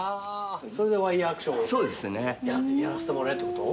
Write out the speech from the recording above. それでワイヤーアクションをやらせてもらえるってこと？